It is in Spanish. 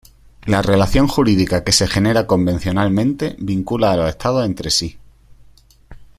La relación jurídica que se genera convencionalmente, vincula a los estados entre sí.